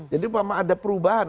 jadi memang ada perubahan